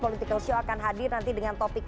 political show akan hadir nanti dengan topik